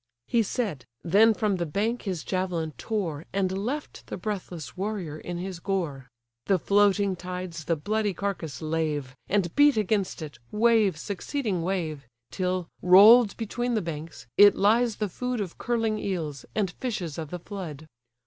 He said: then from the bank his javelin tore, And left the breathless warrior in his gore. The floating tides the bloody carcase lave, And beat against it, wave succeeding wave; Till, roll'd between the banks, it lies the food Of curling eels, and fishes of the flood.